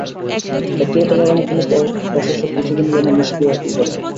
ব্যক্তিগত কারণে কোনও প্রশাসক কিছুদিনের জন্য নিষ্ক্রিয় হতেই পারেন।